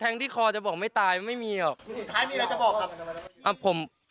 แทงที่คอจะบอกไม่ตายมันไม่มีออกท้ายมีอะไรจะบอกครับ